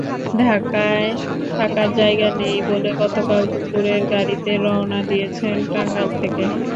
ঢাকায় থাকার জায়গা নেই বলে গতকাল দুপুরের গাড়িতে রওনা দিয়েছেন টাঙ্গাইল থেকে।